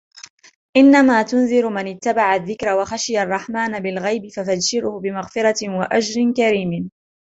إنما تنذر من اتبع الذكر وخشي الرحمن بالغيب فبشره بمغفرة وأجر كريم